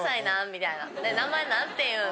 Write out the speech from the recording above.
みたいな、名前なんて言うん？